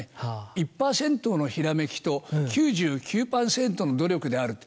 １％のひらめきと９９％の努力であると。